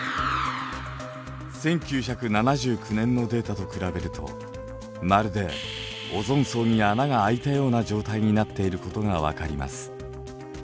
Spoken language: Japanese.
１９７９年のデータと比べるとまるでオゾン層に穴が開いたような状態になっていることが分かります。